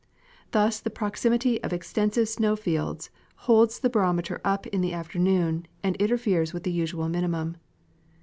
Thus the proximity of extensive snow fields holds the barometer up in the afternoon and interferes with the usual minimum.